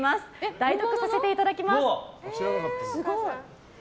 代読させていただきます。